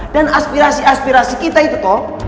dan aspirasi aspirasi kita itu toh